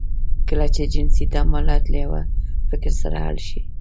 کله چې جنسي تمایلات له یوه فکر سره حل شي